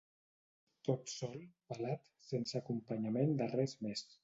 Tot sol, pelat, sense acompanyament de res més.